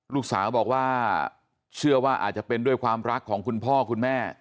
ลูกสาวบอกว่าเชื่อว่าอาจจะเป็นด้วยความรักของคุณพ่อคุณแม่